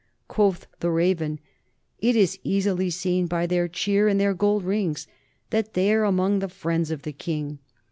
Quoth the Raven : It is easily seen by their cheer, and their gold rings, that they are among the friends of the king.